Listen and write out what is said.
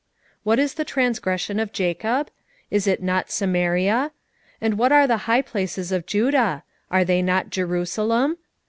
What is the transgression of Jacob? is it not Samaria? and what are the high places of Judah? are they not Jerusalem?